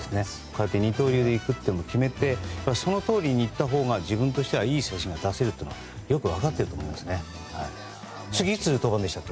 こうして二刀流で行くと決めてそのとおりにいったほうが自分としてはいい成績が出せるというのはよく分かっていると思います。